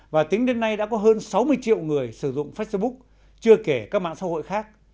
và tính đến nay đã có hơn sáu mươi triệu người sử dụng facebook chưa kể các mạng xã hội khác